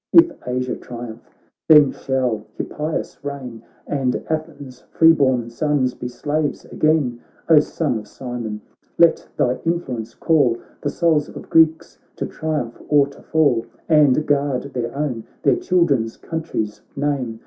If Asia triumph, then shall Hippias reign, And Athens' free born sons be slaves again ! O Son of Cimon ! let thy influence call The souls of Greeks to triumph or to fall! And guard their own, their children's, country's name.